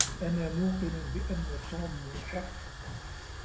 أنا موقن بأن توم محق.